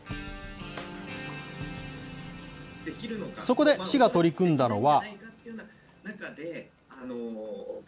そこで市が取り組んだのは。